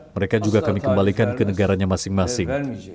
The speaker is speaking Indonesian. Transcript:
mereka juga kami kembalikan ke negaranya masing masing